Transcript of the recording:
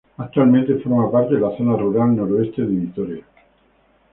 Actualmente forma parte de la Zona Rural Noroeste de Vitoria.